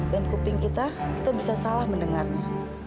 dan kuping kita kita bisa salah mendengarnya